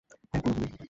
হ্যাঁ, পুরোপুরি।